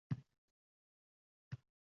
Shunda Oyasima yana keti bilan shatangladi